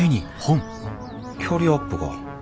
キャリアアップか。